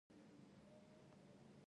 هندوکش د اقتصادي ودې لپاره ارزښت لري.